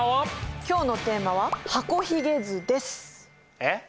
今日のテーマはえっ？